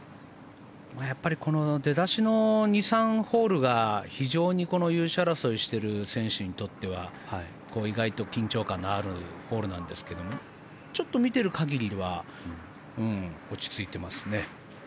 やっぱり出だしの２３ホールが非常に優勝争いをしている選手にとっては意外と緊張感のあるホールなんですがちょっと見ている限りでは落ち着いていますね。